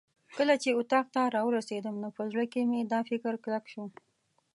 کله چې اتاق ته راورسېدم نو په زړه کې مې دا فکر کلک شو.